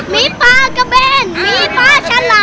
มีปลากะเบ็นมีปลาชะหรอ